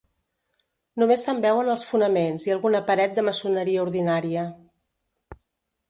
Només se'n veuen els fonaments i alguna paret de maçoneria ordinària.